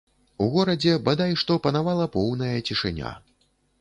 У горадзе бадай што панавала поўная цішыня.